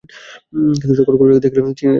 কিন্তু যখন করুণাকে দেখিলেন, চিনিলেন।